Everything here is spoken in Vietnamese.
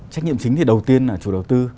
trách nhiệm chính thì đầu tiên là chủ đầu tư